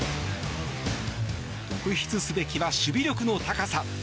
特筆すべきは守備力の高さ。